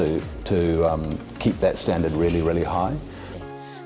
untuk memastikan standar halal itu sangat tinggi